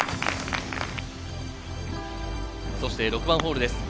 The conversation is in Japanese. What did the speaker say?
そして６番ホールです。